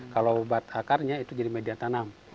kalau obat akarnya itu jadi media tanam